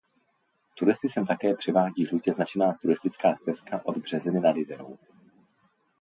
Turisty sem také přivádí žlutě značená turistická stezka od Březiny nad Jizerou.